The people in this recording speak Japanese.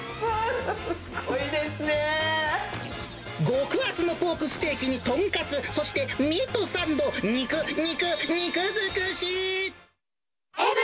極厚のポークステーキにとんかつ、そしてミートサンド、肉、肉、肉尽くし。